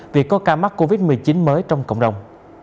vì có ca mắc covid một mươi chín mới trong cộng đồng